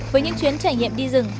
với những chuyến trải nghiệm đi rừng